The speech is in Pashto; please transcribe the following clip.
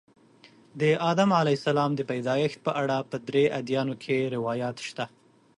د آدم علیه السلام د پیدایښت په اړه په درې ادیانو کې روایات شته.